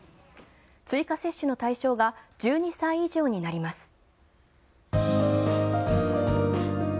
追加接種の対象が１２歳以上になります。